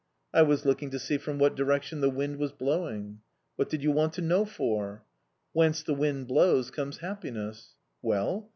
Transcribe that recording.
"I was looking to see from what direction the wind was blowing." "What did you want to know for?" "Whence the wind blows comes happiness." "Well?